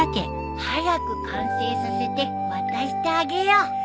早く完成させて渡してあげよう。